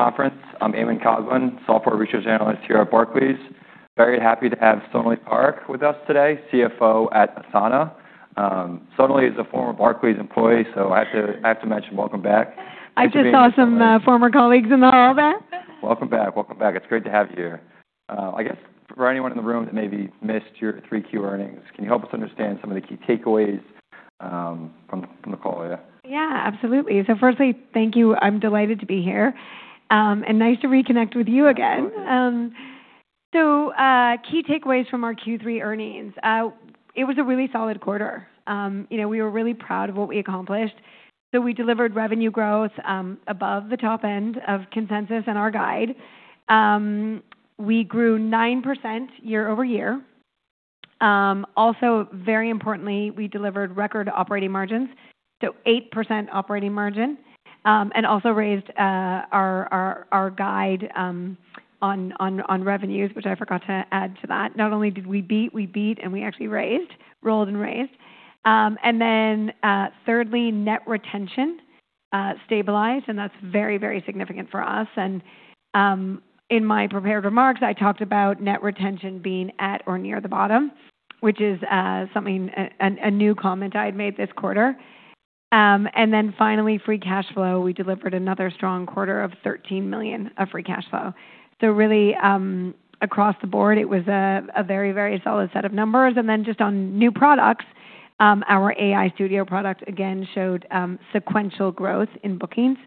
Barclays TMT Conference. I'm Evan Cosbin, Software Research Analyst here at Barclays. Very happy to have Sonalee Parekh with us today, CFO at Asana. Sonalee is a former Barclays employee, so I have to mention, welcome back. I just saw some former colleagues in the hall there. Welcome back. Welcome back. It's great to have you here. I guess for anyone in the room that maybe missed your Q3 earnings, can you help us understand some of the key takeaways from the call, yeah? Yeah, absolutely. So firstly, thank you. I'm delighted to be here, and nice to reconnect with you again. So, key takeaways from our Q3 earnings. It was a really solid quarter. You know, we were really proud of what we accomplished. So we delivered revenue growth above the top end of consensus and our guide. We grew 9% year over year. Also, very importantly, we delivered record operating margins, so 8% operating margin. And also raised our guide on revenues, which I forgot to add to that. Not only did we beat, we actually raised, rolled and raised. And then, thirdly, net retention stabilized, and that's very, very significant for us. And, in my prepared remarks, I talked about net retention being at or near the bottom, which is something a new comment I had made this quarter. And then finally, free cash flow, we delivered another strong quarter of $13 million of free cash flow. So really, across the board, it was a very, very solid set of numbers. And then just on new products, our AI Studio product again showed sequential growth in bookings,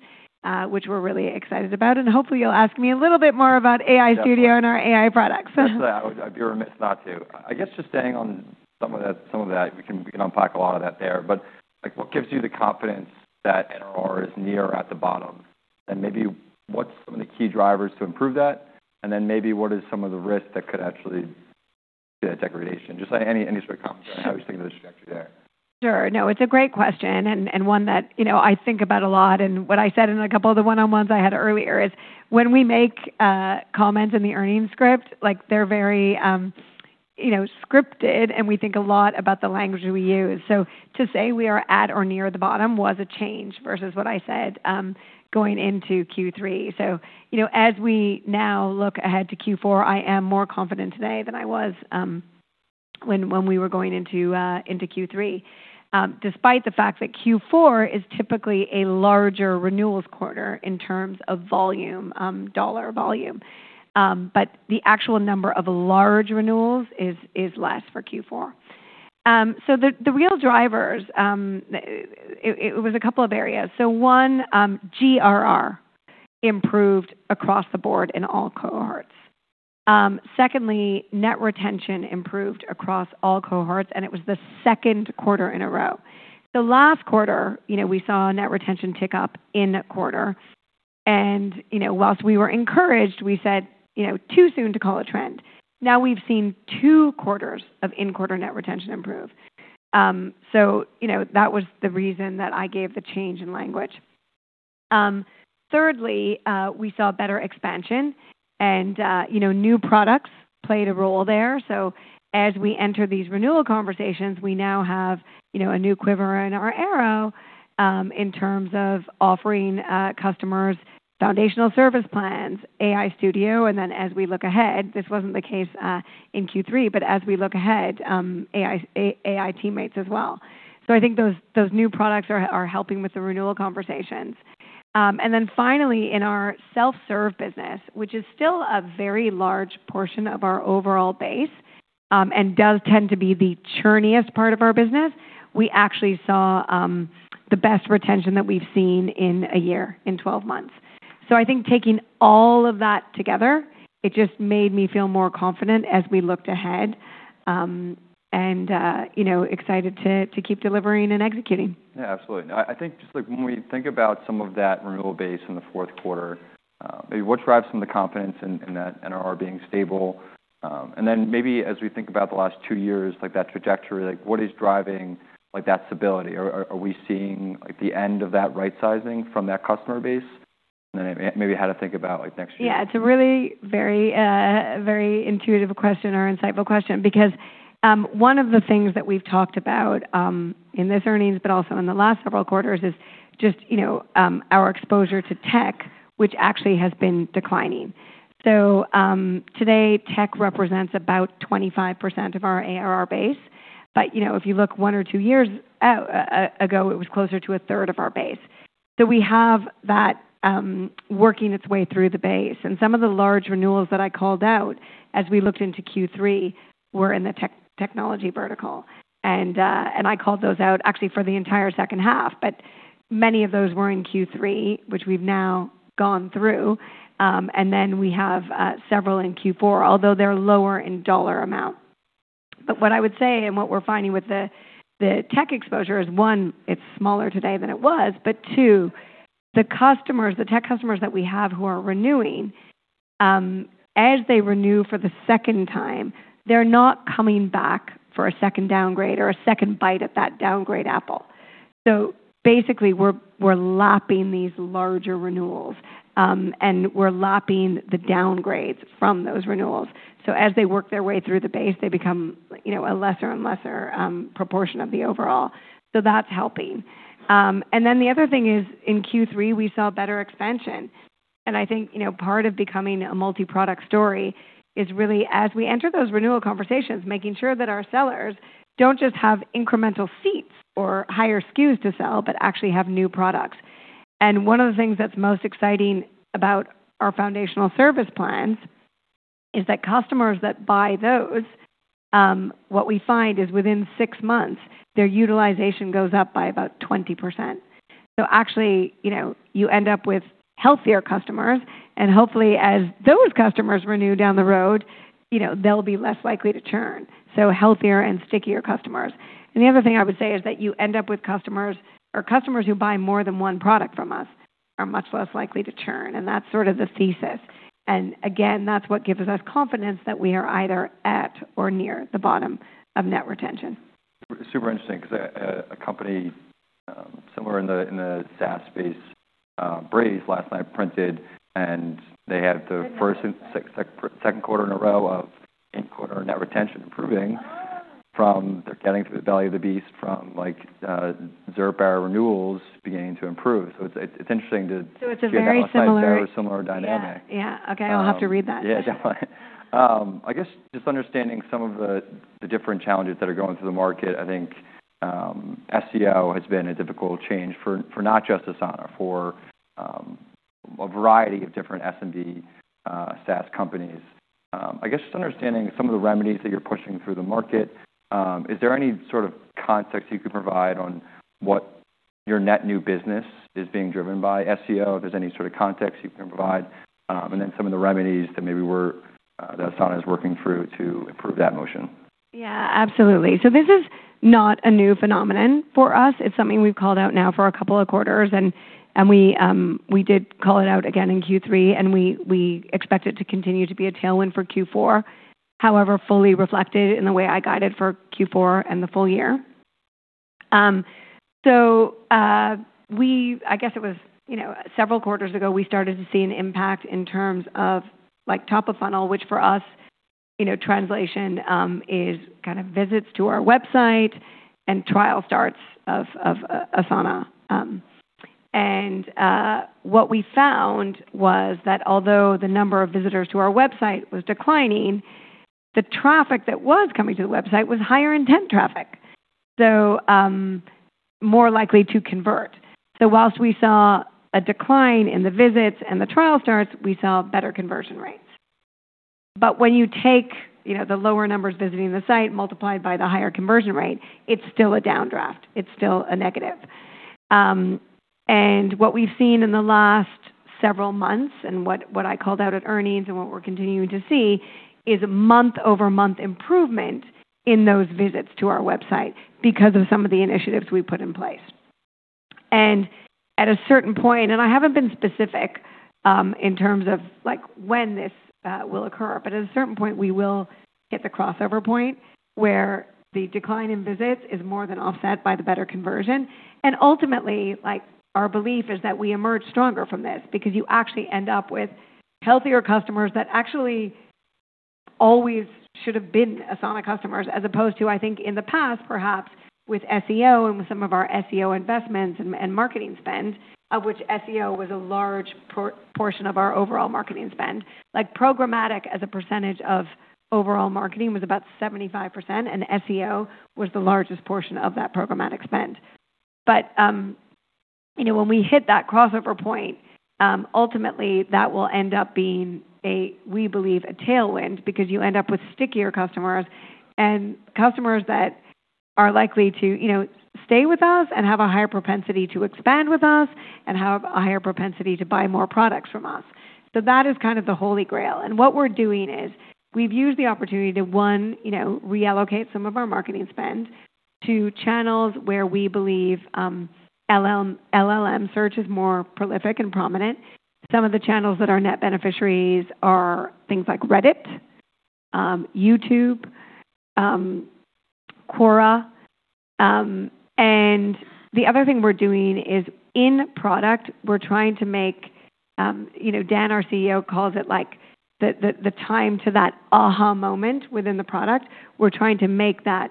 which we're really excited about. And hopefully you'll ask me a little bit more about AI Studio and our AI products. I'd be remiss not to. I guess just staying on some of that, we can unpack a lot of that there. But, like, what gives you the confidence that NRR is near or at the bottom? And maybe what's some of the key drivers to improve that? And then maybe what are some of the risks that could actually see that degradation? Just, like, any sort of comment on how you're seeing the trajectory there. Sure. No, it's a great question and one that, you know, I think about a lot. And what I said in a couple of the one-on-ones I had earlier is when we make comments in the earnings script, like, they're very, you know, scripted, and we think a lot about the language we use. So to say we are at or near the bottom was a change versus what I said, going into Q3. So, you know, as we now look ahead to Q4, I am more confident today than I was when we were going into Q3 despite the fact that Q4 is typically a larger renewals quarter in terms of volume, dollar volume. But the actual number of large renewals is less for Q4. So the real drivers, it was a couple of areas. So one, GRR improved across the board in all cohorts. Secondly, net retention improved across all cohorts, and it was the second quarter in a row. The last quarter, you know, we saw net retention tick up in a quarter. And, you know, while we were encouraged, we said, you know, too soon to call a trend. Now we've seen two quarters of in-quarter net retention improve. So, you know, that was the reason that I gave the change in language. Thirdly, we saw better expansion and, you know, new products played a role there. So as we enter these renewal conversations, we now have, you know, a new arrow in our quiver in terms of offering customers l Service Plans, AI Studio. And then as we look ahead, this wasn't the case in Q3, but as we look ahead, AI teammates as well. So I think those new products are helping with the renewal conversations. And then finally, in our self-serve business, which is still a very large portion of our overall base, and does tend to be the churniest part of our business, we actually saw the best retention that we've seen in a year in 12 months. So I think taking all of that together, it just made me feel more confident as we looked ahead, and, you know, excited to keep delivering and executing. Yeah, absolutely. No, I think just, like, when we think about some of that renewal base in the fourth quarter, maybe what drives some of the confidence in that NRR being stable? And then maybe as we think about the last two years, like, that trajectory, like, what is driving, like, that stability? Or are we seeing, like, the end of that right-sizing from that customer base? And then maybe how to think about, like, next year? Yeah, it's a really very, very intuitive question or insightful question because one of the things that we've talked about in this earnings but also in the last several quarters is just you know our exposure to tech which actually has been declining. So today tech represents about 25% of our ARR base. But you know if you look one or two years ago it was closer to a third of our base. So we have that working its way through the base. And some of the large renewals that I called out as we looked into Q3 were in the tech technology vertical. And I called those out actually for the entire second half but many of those were in Q3 which we've now gone through and then we have several in Q4 although they're lower in dollar amount. But what I would say and what we're finding with the tech exposure is, one, it's smaller today than it was, but two, the customers, the tech customers that we have who are renewing, as they renew for the second time, they're not coming back for a second downgrade or a second bite at that downgrade apple. So basically, we're lapping these larger renewals, and we're lapping the downgrades from those renewals. So as they work their way through the base, they become, you know, a lesser and lesser, proportion of the overall. So that's helping, and then the other thing is in Q3, we saw better expansion, and I think, you know, part of becoming a multi-product story is really as we enter those renewal conversations, making sure that our sellers don't just have incremental seats or higher SKUs to sell, but actually have new products. And one of the things that's most exciting about our foundational service Plans is that customers that buy those, what we find is within six months, their utilization goes up by about 20%. So actually, you know, you end up with healthier customers, and hopefully as those customers renew down the road, you know, they'll be less likely to churn. So healthier and stickier customers. And the other thing I would say is that you end up with customers, or customers who buy more than one product from us are much less likely to churn. And that's sort of the thesis. And again, that's what gives us confidence that we are either at or near the bottom of net retention. Super, super interesting because a company, somewhere in the SaaS space, Braze, last night printed, and they had the first and second quarter in a row of in-quarter net retention improving from they're getting through the belly of the beast from, like, zero bar renewals beginning to improve. So it's interesting to see that. So it's a very similar. Very similar dynamic. Yeah. Okay. I'll have to read that. Yeah, definitely. I guess just understanding some of the different challenges that are going through the market, I think, SEO has been a difficult change for not just Asana, for a variety of different SMB SaaS companies. I guess just understanding some of the remedies that you're pushing through the market, is there any sort of context you could provide on what your net new business is being driven by SEO? If there's any sort of context you can provide, and then some of the remedies that maybe that Asana is working through to improve that motion? Yeah, absolutely. So this is not a new phenomenon for us. It's something we've called out now for a couple of quarters. And we did call it out again in Q3, and we expect it to continue to be a tailwind for Q4, however fully reflected in the way I guided for Q4 and the full year. So, I guess it was, you know, several quarters ago, we started to see an impact in terms of, like, top of funnel, which for us, you know, translation, is kind of visits to our website and trial starts of Asana. And what we found was that although the number of visitors to our website was declining, the traffic that was coming to the website was higher intent traffic, so more likely to convert. So while we saw a decline in the visits and the trial starts, we saw better conversion rates, but when you take, you know, the lower numbers visiting the site multiplied by the higher conversion rate, it's still a downdraft. It's still a negative, and what we've seen in the last several months and what I called out at earnings and what we're continuing to see is a month-over-month improvement in those visits to our website because of some of the initiatives we put in place, and at a certain point, I haven't been specific in terms of like when this will occur, but at a certain point, we will hit the crossover point where the decline in visits is more than offset by the better conversion. And ultimately, like, our belief is that we emerge stronger from this because you actually end up with healthier customers that actually always should have been Asana customers as opposed to, I think, in the past, perhaps with SEO and with some of our SEO investments and marketing spend, of which SEO was a large portion of our overall marketing spend. Like, programmatic as a percentage of overall marketing was about 75%, and SEO was the largest portion of that programmatic spend. But, you know, when we hit that crossover point, ultimately that will end up being a, we believe, a tailwind because you end up with stickier customers and customers that are likely to, you know, stay with us and have a higher propensity to expand with us and have a higher propensity to buy more products from us. So that is kind of the holy grail. And what we're doing is we've used the opportunity to, one, you know, reallocate some of our marketing spend to channels where we believe LLM search is more prolific and prominent. Some of the channels that are net beneficiaries are things like Reddit, YouTube, Quora, and the other thing we're doing is in product, we're trying to make, you know, Dan, our CEO, calls it like the time to that aha moment within the product. We're trying to make that,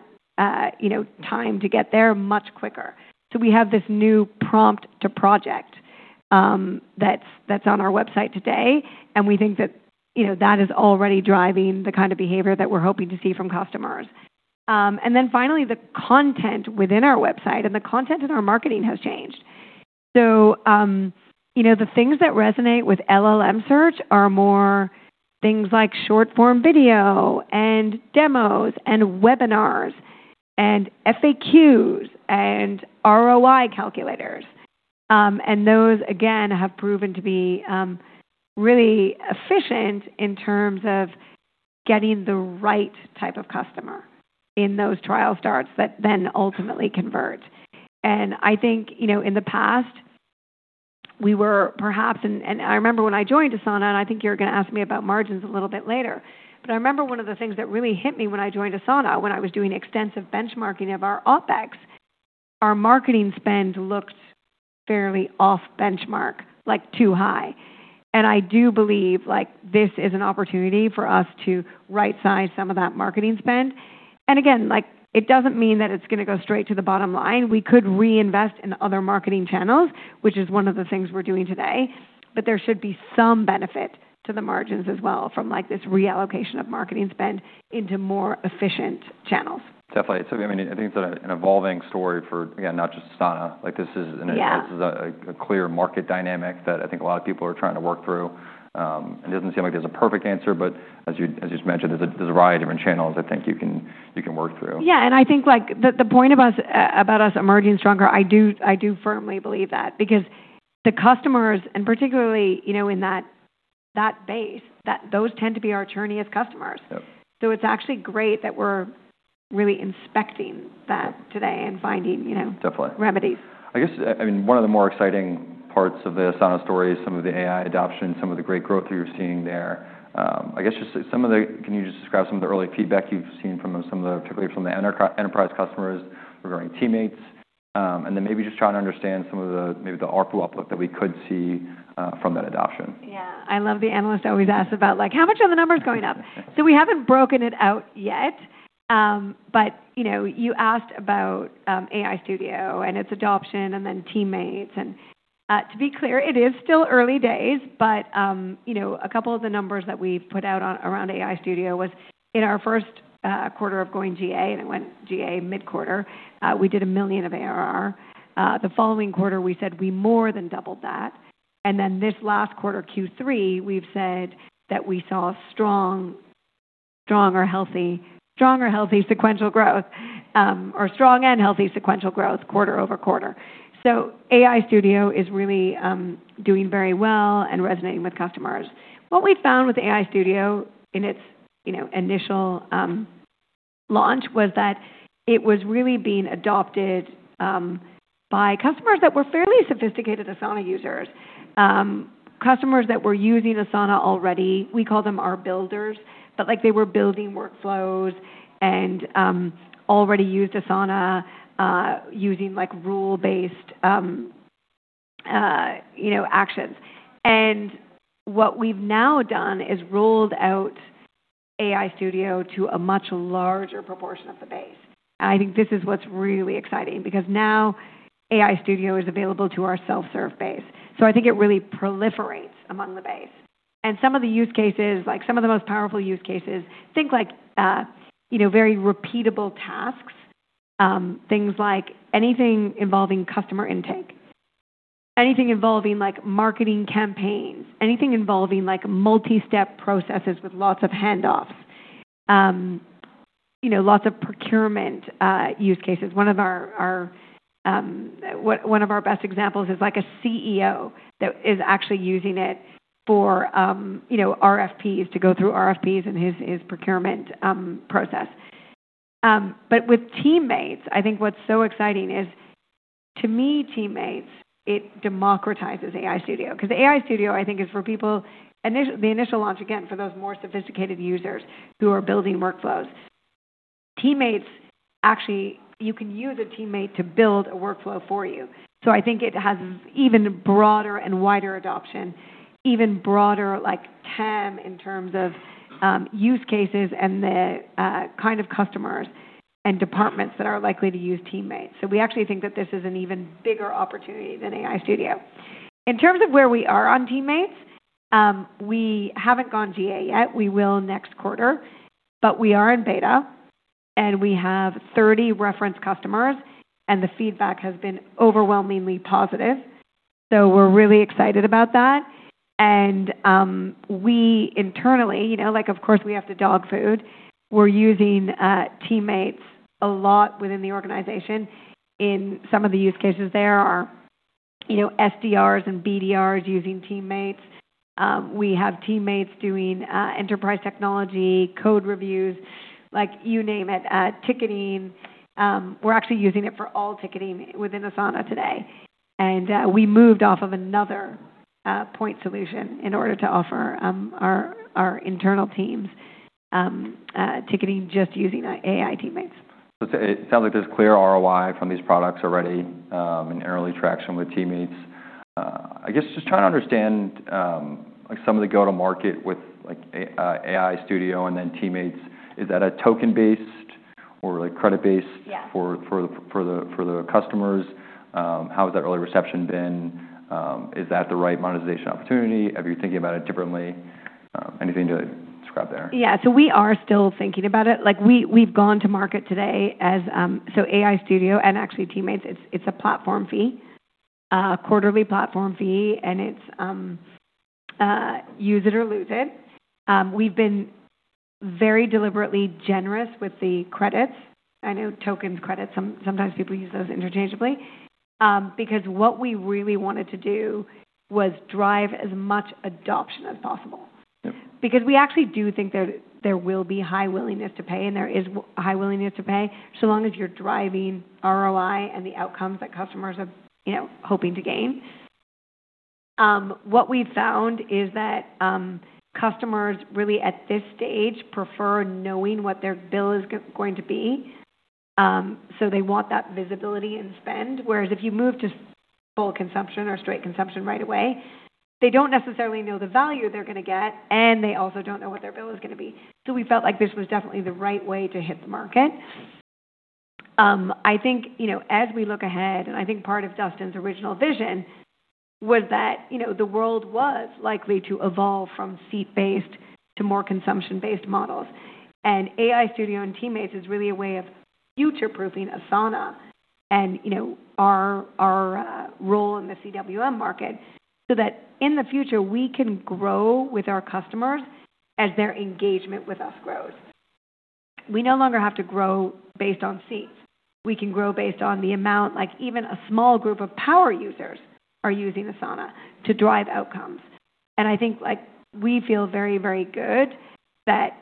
you know, time to get there much quicker, so we have this new prompt to project that's on our website today, and we think that, you know, that is already driving the kind of behavior that we're hoping to see from customers, and then finally, the content within our website and the content in our marketing has changed. So, you know, the things that resonate with LLM search are more things like short-form video and demos and webinars and FAQs and ROI calculators, and those, again, have proven to be really efficient in terms of getting the right type of customer in those trial starts that then ultimately convert. And I think, you know, in the past, we were perhaps, and I remember when I joined Asana, and I think you're going to ask me about margins a little bit later. But I remember one of the things that really hit me when I joined Asana, when I was doing extensive benchmarking of our OpEx, our marketing spend looked fairly off benchmark, like too high. And I do believe, like, this is an opportunity for us to right-size some of that marketing spend. And again, like, it doesn't mean that it's going to go straight to the bottom line. We could reinvest in other marketing channels, which is one of the things we're doing today. But there should be some benefit to the margins as well from, like, this reallocation of marketing spend into more efficient channels. Definitely. So I mean, I think it's an evolving story for, again, not just Asana. Like, this is a clear market dynamic that I think a lot of people are trying to work through. It doesn't seem like there's a perfect answer, but as you mentioned, there's a variety of different channels I think you can work through. Yeah. And I think, like, the point of us, about us emerging stronger, I do firmly believe that because the customers, and particularly, you know, in that base, that those tend to be our churniest customers. Yep. So it's actually great that we're really inspecting that today and finding, you know. Definitely. Remedies. I guess, I mean, one of the more exciting parts of the Asana story is some of the AI adoption, some of the great growth that you're seeing there. Can you just describe some of the early feedback you've seen from some of the, particularly from the enterprise customers regarding teammates, and then maybe just trying to understand maybe the ARPU outlook that we could see from that adoption. Yeah. I love the analysts always ask about, like, how much are the numbers going up? So we haven't broken it out yet. But, you know, you asked about AI Studio and its adoption and then teammates. And, to be clear, it is still early days, but, you know, a couple of the numbers that we put out on around AI Studio was in our first quarter of going GA, and it went GA mid-quarter. We did $1 million of ARR. The following quarter, we said we more than doubled that. And then this last quarter, Q3, we've said that we saw strong or healthy sequential growth, or strong and healthy sequential growth quarter over quarter. So AI Studio is really doing very well and resonating with customers. What we found with AI Studio in its, you know, initial launch was that it was really being adopted by customers that were fairly sophisticated Asana users, customers that were using Asana already. We call them our builders, but like they were building workflows and already used Asana, using like rule-based, you know, actions, and what we've now done is rolled out AI Studio to a much larger proportion of the base, and I think this is what's really exciting because now AI Studio is available to our self-serve base, so I think it really proliferates among the base, and some of the use cases, like some of the most powerful use cases, think like, you know, very repeatable tasks, things like anything involving customer intake, anything involving like marketing campaigns, anything involving like multi-step processes with lots of handoffs, you know, lots of procurement use cases. One of our best examples is like a CEO that is actually using it for, you know, RFPs to go through RFPs and his procurement process, but with teammates, I think what's so exciting is, to me, teammates, it democratizes AI Studio because AI Studio, I think, is for people, the initial launch, again, for those more sophisticated users who are building workflows. Teammates actually, you can use a teammate to build a workflow for you, so I think it has even broader and wider adoption, even broader, like TAM in terms of use cases and the kind of customers and departments that are likely to use teammates, so we actually think that this is an even bigger opportunity than AI Studio. In terms of where we are on teammates, we haven't gone GA yet. We will next quarter, but we are in beta and we have 30 reference customers and the feedback has been overwhelmingly positive. So we're really excited about that. And we internally, you know, like, of course, we have to dog food. We're using teammates a lot within the organization. In some of the use cases, there are, you know, SDRs and BDRs using teammates. We have teammates doing enterprise technology code reviews, like you name it, ticketing. We're actually using it for all ticketing within Asana today. And we moved off of another point solution in order to offer our internal teams ticketing just using AI teammates. So it sounds like there's clear ROI from these products already, and early traction with teammates. I guess just trying to understand, like some of the go-to-market with, like, AI Studio and then teammates, is that a token-based or like credit-based? Yeah. For the customers? How has that early reception been? Is that the right monetization opportunity? Have you thinking about it differently? Anything to describe there? Yeah, so we are still thinking about it. Like we've gone to market today as, so AI Studio and actually teammates, it's a platform fee, quarterly platform fee, and it's use it or lose it. We've been very deliberately generous with the credits. I know tokens credits. Sometimes people use those interchangeably, because what we really wanted to do was drive as much adoption as possible. Yep. Because we actually do think that there will be high willingness to pay, and there is high willingness to pay so long as you're driving ROI and the outcomes that customers are, you know, hoping to gain. What we've found is that, customers really at this stage prefer knowing what their bill is going to be. So they want that visibility and spend. Whereas if you move to full consumption or straight consumption right away, they don't necessarily know the value they're going to get, and they also don't know what their bill is going to be. So we felt like this was definitely the right way to hit the market. I think, you know, as we look ahead, and I think part of Dustin's original vision was that, you know, the world was likely to evolve from seat-based to more consumption-based models. And AI Studio and teammates is really a way of future-proofing Asana and, you know, our role in the CWM market so that in the future we can grow with our customers as their engagement with us grows. We no longer have to grow based on seats. We can grow based on the amount, like even a small group of power users are using Asana to drive outcomes. And I think, like, we feel very, very good that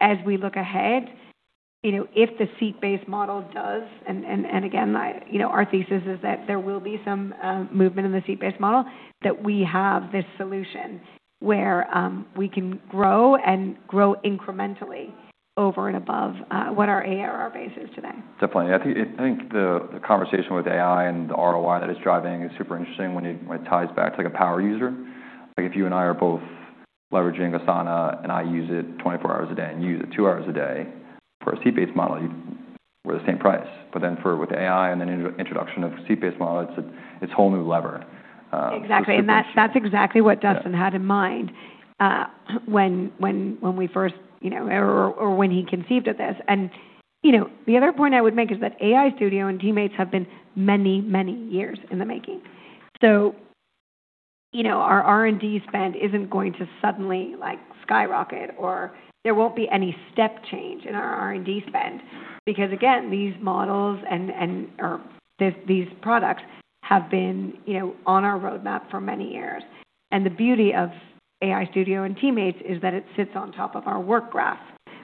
as we look ahead, you know, if the seat-based model does. And again, you know, our thesis is that there will be some movement in the seat-based model that we have this solution where we can grow and grow incrementally over and above what our ARR base is today. Definitely. I think the conversation with AI and the ROI that it's driving is super interesting when it ties back to like a power user. Like if you and I are both leveraging Asana and I use it 24 hours a day and you use it two hours a day for a seat-based model, you were the same price. But then with AI and then introduction of seat-based models, it's a whole new lever. Exactly. And that's exactly what Dustin had in mind when we first, you know, or when he conceived of this. And, you know, the other point I would make is that AI Studio and teammates have been many, many years in the making. So, you know, our R&D spend isn't going to suddenly like skyrocket or there won't be any step change in our R&D spend because again, these models or these products have been, you know, on our roadmap for many years. And the beauty of AI Studio and teammates is that it sits on top of our Work Graph,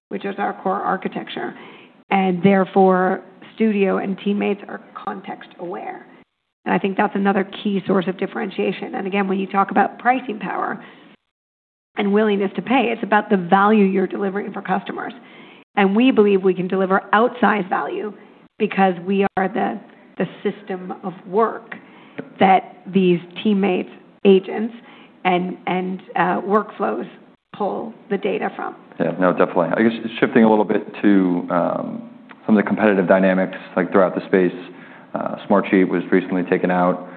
which is our core architecture. And therefore, Studio and teammates are context-aware. And I think that's another key source of differentiation. And again, when you talk about pricing power and willingness to pay, it's about the value you're delivering for customers. And we believe we can deliver outsized value because we are the system of work that these teammates, agents, and workflows pull the data from. Yeah. No, definitely. I guess shifting a little bit to some of the competitive dynamics like throughout the space. Smartsheet was recently taken out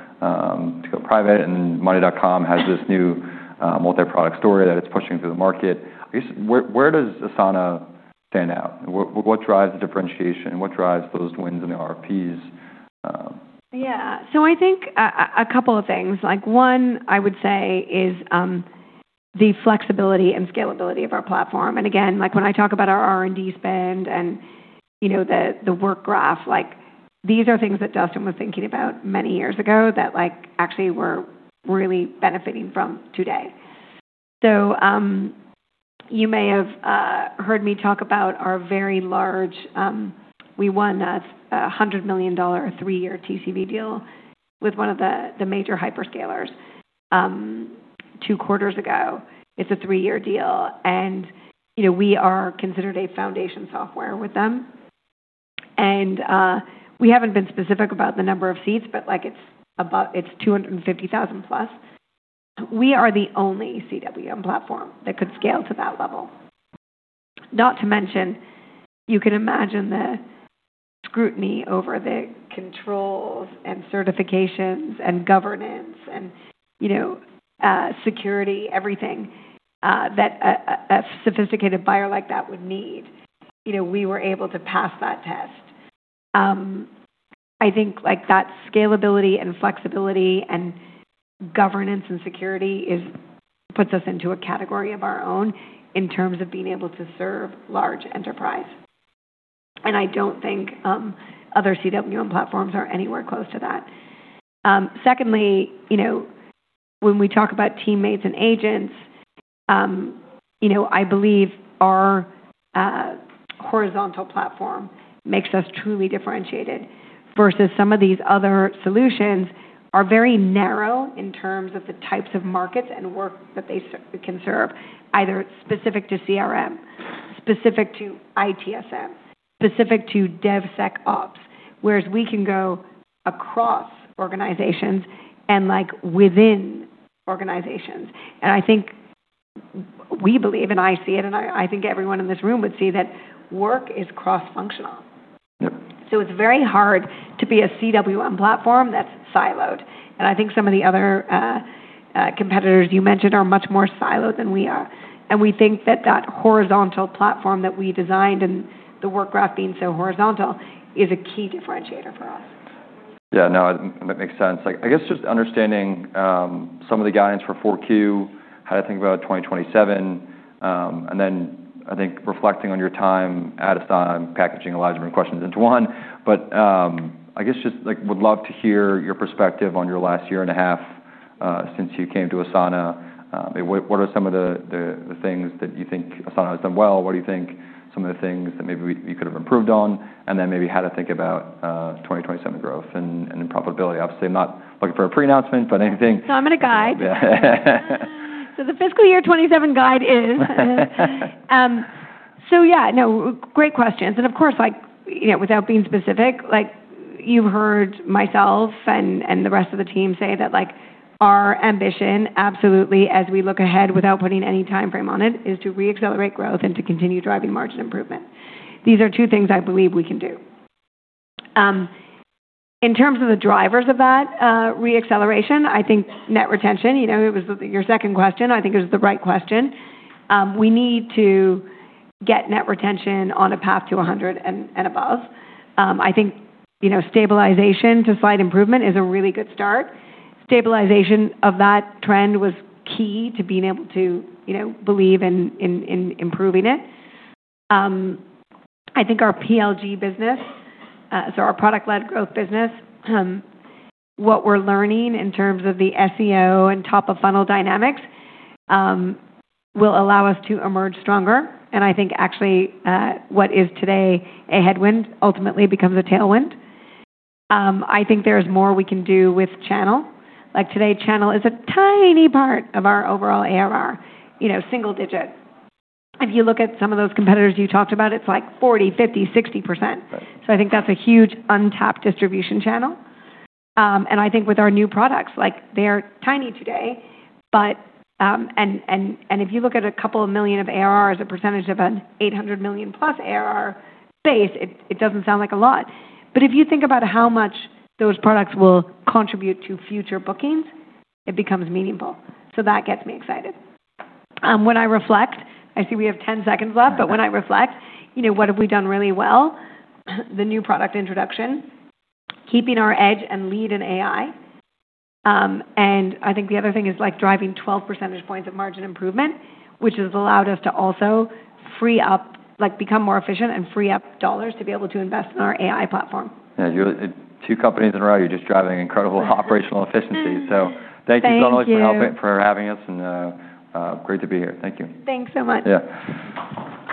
to go private, and Monday.com has this new multi-product story that it's pushing through the market. I guess where does Asana stand out? What drives the differentiation? What drives those wins in the RFPs? Yeah. So I think a couple of things. Like one, I would say is the flexibility and scalability of our platform. And again, like when I talk about our R&D spend and you know the work graph, like these are things that Dustin was thinking about many years ago that like actually we're really benefiting from today. So you may have heard me talk about our very large. We won a $100 million three-year TCV deal with one of the major hyperscalers two quarters ago. It's a three-year deal. And you know, we are considered a foundation software with them. And we haven't been specific about the number of seats, but like it's about 250,000 plus. We are the only CWM platform that could scale to that level. Not to mention, you can imagine the scrutiny over the controls and certifications and governance and, you know, security, everything, that a sophisticated buyer like that would need. You know, we were able to pass that test. I think like that scalability and flexibility and governance and security is puts us into a category of our own in terms of being able to serve large enterprise. And I don't think, other CWM platforms are anywhere close to that. Secondly, you know, when we talk about teammates and agents, you know, I believe our, horizontal platform makes us truly differentiated versus some of these other solutions are very narrow in terms of the types of markets and work that they can serve, either specific to CRM, specific to ITSM, specific to DevSecOps, whereas we can go across organizations and like within organizations. I think we believe, and I see it, and I think everyone in this room would see that work is cross-functional. Yep. So it's very hard to be a CWM platform that's siloed. And I think some of the other competitors you mentioned are much more siloed than we are. And we think that horizontal platform that we designed and the work graph being so horizontal is a key differentiator for us. Yeah. No, that makes sense. Like I guess just understanding, some of the guidance for 4Q, how to think about 2027, and then I think reflecting on your time at Asana and packaging a large number of questions into one. But I guess just like would love to hear your perspective on your last year and a half, since you came to Asana. What are some of the things that you think Asana has done well? What do you think some of the things that maybe you could have improved on? And then maybe how to think about 2027 growth and profitability. Obviously, I'm not looking for a pre-announcement, but anything. I'm going to guide. The fiscal year 27 guide is, yeah, no, great questions. Of course, like, you know, without being specific, like you've heard myself and the rest of the team say that like our ambition, absolutely, as we look ahead without putting any timeframe on it, is to re-accelerate growth and to continue driving margin improvement. These are two things I believe we can do. In terms of the drivers of that re-acceleration, I think net retention, you know, it was your second question. I think it was the right question. We need to get net retention on a path to 100 and above. I think, you know, stabilization to slight improvement is a really good start. Stabilization of that trend was key to being able to, you know, believe in improving it. I think our PLG business, so our product-led growth business, what we're learning in terms of the SEO and top-of-funnel dynamics, will allow us to emerge stronger, and I think actually, what is today a headwind ultimately becomes a tailwind. I think there's more we can do with channel. Like today, channel is a tiny part of our overall ARR, you know, single digit. If you look at some of those competitors you talked about, it's like 40, 50, 60%. So I think that's a huge untapped distribution channel, and I think with our new products, like they're tiny today, but if you look at a couple of million of ARR, a percentage of an $800 million-plus ARR base, it doesn't sound like a lot. But if you think about how much those products will contribute to future bookings, it becomes meaningful. So that gets me excited. When I reflect, I see we have 10 seconds left, but when I reflect, you know, what have we done really well? The new product introduction, keeping our edge and lead in AI, and I think the other thing is like driving 12 percentage points of margin improvement, which has allowed us to also free up, like become more efficient and free up dollars to be able to invest in our AI platform. Yeah. You're two companies in a row. You're just driving incredible operational efficiency. So thank you so much for helping, for having us, and great to be here. Thank you. Thanks so much. Yeah. Thank you.